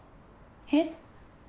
えっ？